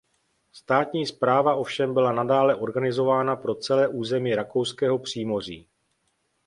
Státní správa ovšem byla nadále organizována pro celé území Rakouského přímoří.